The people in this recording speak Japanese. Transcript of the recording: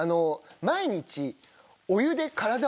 毎日。